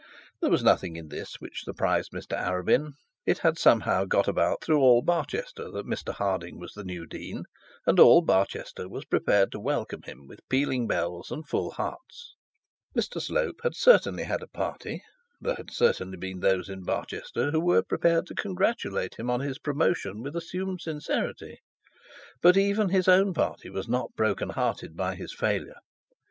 There was nothing in this which surprised Mr Arabin. It had somehow got about through all bah that Mr Harding was the new dean, and all Barchester was prepared to welcome him with pealing bells and full hearts. Mr Slope had certainly had a party; there had certainly been those in Barchester who were prepared to congratulate him on his promotion with assumed sincerity, but even his own party were not broken hearted by his failure.